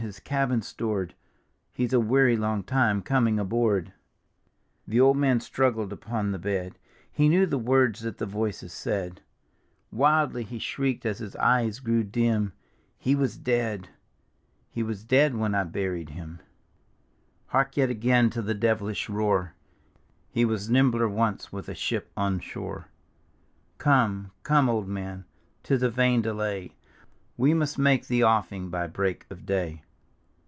his cabin stored, He's a weary long time coming aboard." The old man stru^ed upon the bed: He knew the words that the voices said ; Wildly he shrieked as his eyes grew dim, '" He was dead ! He was dead when I buried him." D,gt,, erihyGOOgle The Mother's Ghost 189 Hark yet again to the devilish roar! " He was nimbler once with a ship on shore ; Come, come, old man, 'tis a vain delay, We must make the ofEng by break of day."